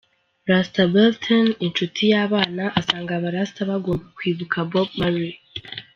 Rasta Bertin inshuti y’abana asanga Abarasta bagomba kwibuka Bob Marley.